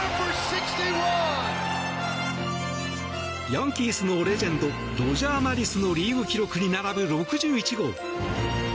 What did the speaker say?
ヤンキースのレジェンドロジャー・マリスのリーグ記録に並ぶ６１号。